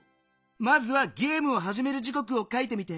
まずはゲームをはじめる時こくを書いてみて。